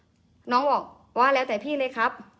หนูก็เลยบอกว่างั้นของวันนี้กับของพรุ่งนี้เอ้ยน้องตักมาอีกวันใช่ไหม